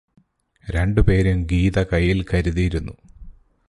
രണ്ടു പേരും ഗീത കയ്യില് കരുതിയിരുന്നു.